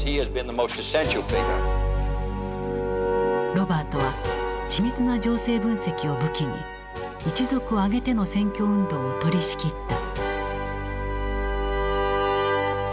ロバートは緻密な情勢分析を武器に一族を挙げての選挙運動を取りしきった。